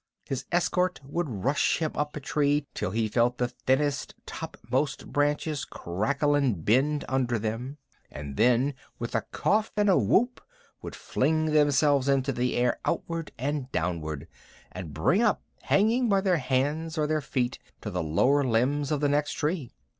His escort would rush him up a tree till he felt the thinnest topmost branches crackle and bend under them, and then with a cough and a whoop would fling themselves into the air outward and downward, and bring up, hanging by their hands or their feet to the lower limbs of the next tree.